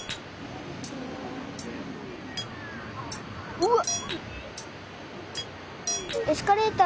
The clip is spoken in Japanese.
うわっ。